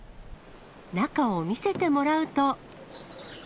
中を見せてもらうと。